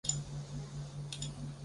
人类聚集居住的地方